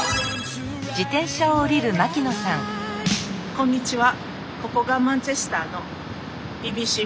こんにちは。